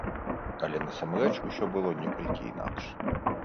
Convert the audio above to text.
Але насамрэч усё было некалькі інакш.